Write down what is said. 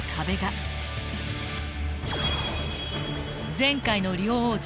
前回のリオ王者